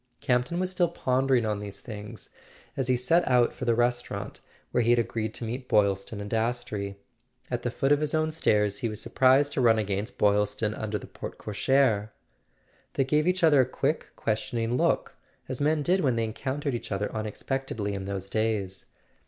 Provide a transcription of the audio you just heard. Campton was still pondering on these things as he set out for the restau¬ rant where he had agreed to meet Boylston and Das trey. At the foot of his own stairs he was surprised to run against Boylston under the porte cochere. They gave each other a quick questioning look, as men did when they encountered each other unexpectedly in those days.